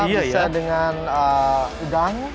bisa dengan udang